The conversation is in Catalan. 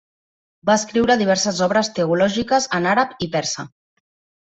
Va escriure diverses obres teològiques en àrab i persa.